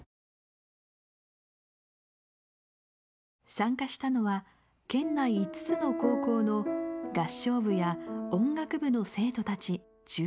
参加したのは県内５つの高校の合唱部や音楽部の生徒たち１６人。